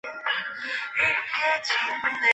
镰叶肾蕨为骨碎补科肾蕨属下的一个种。